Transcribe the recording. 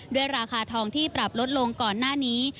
ราคาทองที่ปรับลดลงก่อนหน้านี้